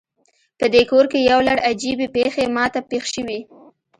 پدې کور کې یو لړ عجیبې پیښې ما ته پیښ شوي